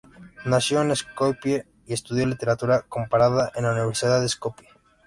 Nació en Skopie y estudió literatura comparada en la Universidad de Skopie.